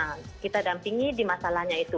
nah kita dampingi di masalahnya itu